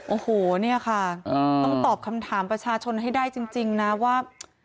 โอ้โหเนี่ยค่ะต้องตอบคำถามประชาชนให้ได้จริงนะว่า